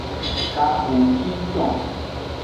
Kahociton.